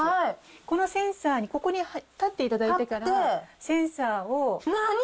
このセンサーに、ここに立っていただいてから、センサーを。